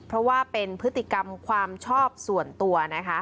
เพราะว่าเป็นพฤติกรรมความชอบส่วนตัวนะคะ